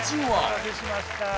お待たせしました。